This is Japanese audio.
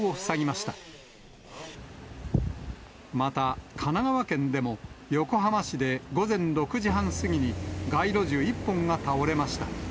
また神奈川県でも横浜市で午前６時半過ぎに、街路樹１本が倒れました。